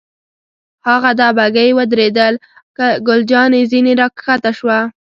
هاغه ده، بګۍ ودرېدل، ګل جانې ځنې را کښته شوه.